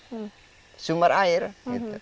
sebagai sumber air kah atau bagaimana sebenarnya